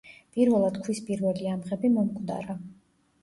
პირველად ქვის პირველი ამღები მომკვდარა.